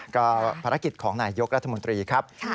ก็ภารกิจของนายยกรัฐมนตรีครับ